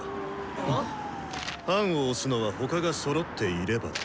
あ⁉判を押すのは他がそろっていればだ。